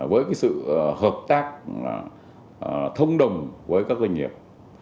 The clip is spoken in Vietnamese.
với sự hợp tác thông đồng với các doanh nghiệp